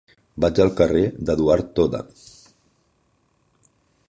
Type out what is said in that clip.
Vaig al carrer d'Eduard Toda.